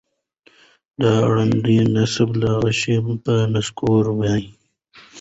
د ړانده نصیب له غشي به نسکور وای